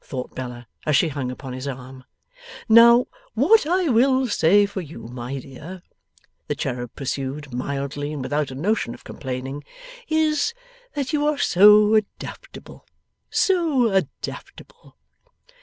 thought Bella, as she hung upon his arm. 'Now, what I will say for you, my dear,' the cherub pursued mildly and without a notion of complaining, 'is, that you are so adaptable. So adaptable.